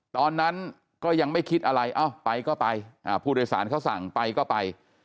ตอนนั้นก็ยังไม่คิดอะไรเอ้าไปก็ไปผู้โดยสารเขาสั่งไปก็ไป